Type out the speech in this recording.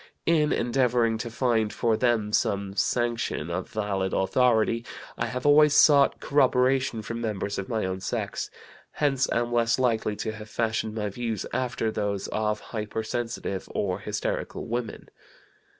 In endeavoring to find for them some sanction of valid authority, I have always sought corroboration from members of my own sex; hence am less likely to have fashioned my views after those of hypersensitive or hysterical women.